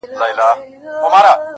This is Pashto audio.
د مظلوم چیغي چا نه سوای اورېدلای!.